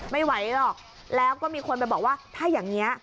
ไม่ไหวหรอกแล้วก็มีคนไปบอกว่าถ้าอย่างนี้